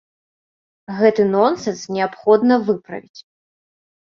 Гэты нонсэнс неабходна выправіць.